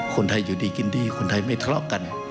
คนไทยอยู่ดีกินดีคนไทยไม่ทะเลาะกัน